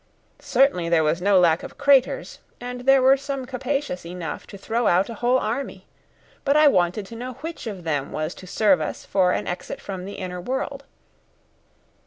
Certainly there was no lack of craters, and there were some capacious enough to throw out a whole army! But I wanted to know which of them was to serve us for an exit from the inner world.